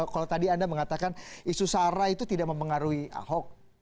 kalau tadi anda mengatakan isu sara itu tidak mempengaruhi ahok